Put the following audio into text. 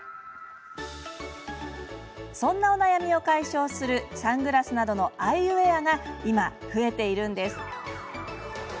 そんなお悩みを解消するサングラスなどのアイウエアが今増えているんです。